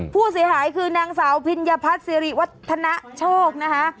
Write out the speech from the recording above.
ผู้เสียหายคือนางสาวพิญญพัฒน์สิริวัฒนโชคนะคะ